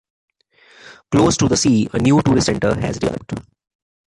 Close to the sea, a new tourist centre has developed.